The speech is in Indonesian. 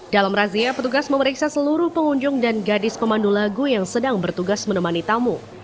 dalam razia petugas memeriksa seluruh pengunjung dan gadis pemandu lagu yang sedang bertugas menemani tamu